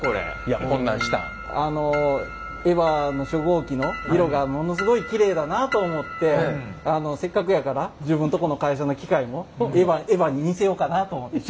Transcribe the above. あのＥＶＡの初号機の色がものすごいきれいだなと思ってせっかくやから自分とこの会社の機械もＥＶＡに似せようかなと思って。